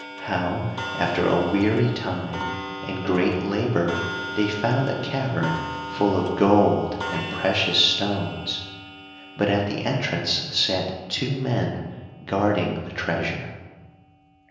How, after a weary time and great labor, they found a cavern full of gold and precious stones, but at the entrance sat two men guarding the treasure.